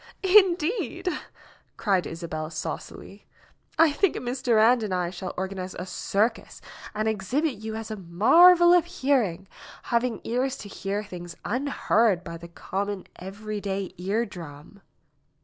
"Indeed !" cried Isabel saucily. "I think Miss Durand NAOMI'S WEDDING BELLS 67 and I shall organize a circus and exhibit you as a marvel of hearing, having ears to hear things unheard by the common, everyday ear drum."